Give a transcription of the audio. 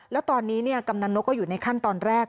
แล้วตอนนี้กำนันนกก็อยู่ในขั้นตอนแรก